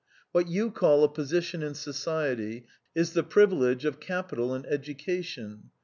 ' What you call a position in society is the privilege of capital and education.